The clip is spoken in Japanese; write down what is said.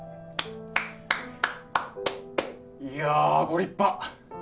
いやあご立派！